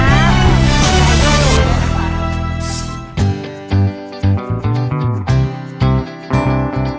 ดีใจด้วย